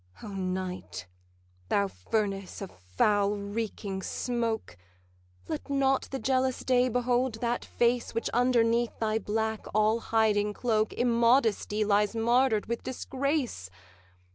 'O Night, thou furnace of foul reeking smoke, Let not the jealous Day behold that face Which underneath thy black all hiding cloak Immodesty lies martyr'd with disgrace!